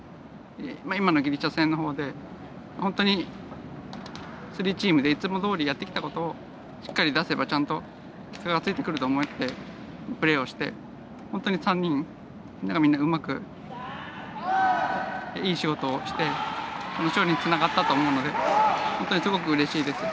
今のギリシャ戦で本当に３チームでいつもどおりやってきたことをしっかり出せば、ちゃんと結果がついてくると思ってプレーして、本当に３人みんながうまくいい仕事をして勝利につながったのと思うので本当にすごくうれしいです。